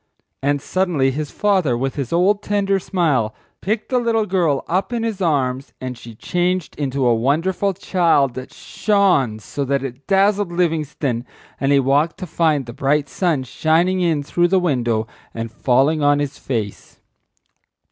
And suddenly his father, with his old tender smile, picked the little girl up in his arms and she changed into a wonderful child that shone so that it dazzled Livingstone and—he waked to find the bright sun shining in through the window and falling on his face.